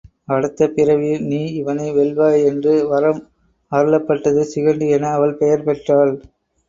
அடுத்த பிறவியில் நீ இவனை வெல்வாய் எனறு வரம் அருளப்பட்டது சிகண்டி என அவள் பெயர் பெற்றாள்.